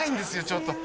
ちょっと。